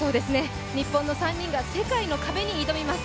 日本の３人が世界の壁に挑みます。